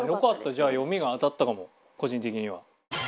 じゃあ読みが当たったかも個人的には。